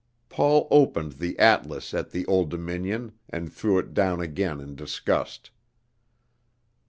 Paul opened the atlas at the "Old Dominion," and threw it down again in disgust.